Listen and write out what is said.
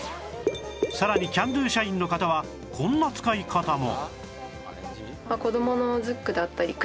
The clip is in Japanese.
さらにキャンドゥ社員の方はこんな使い方も